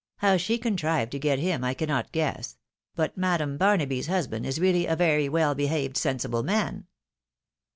How she contrived to get him I cannot guess ; but Madam Bamaby's husband is really a very well behaved, sensible man."